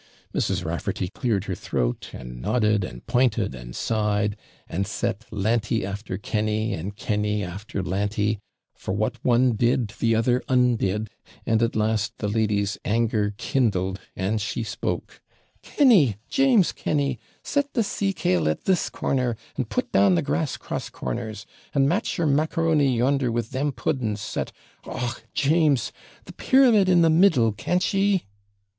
Mrs. Raffarty cleared her throat, and nodded, and pointed, and sighed, and set Larry after Kenny, and Kenny after Larry; for what one did, the other undid; and at last the lady's anger kindled, and she spoke: 'Kenny! James Kenny! set the sea cale at this corner, and put down the grass cross corners; and match your macaroni yonder with THEM puddens, set Ogh! James! the pyramid in the middle, can't ye?'